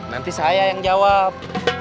nanti saya yang jawab